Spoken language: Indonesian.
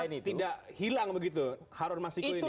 harusnya tidak hilang begitu harun masyukur ini